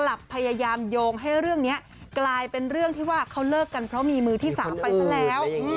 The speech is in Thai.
พยายามโยงให้เรื่องนี้กลายเป็นเรื่องที่ว่าเขาเลิกกันเพราะมีมือที่สามไปซะแล้ว